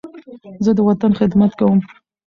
زه د وطن خدمت کوم.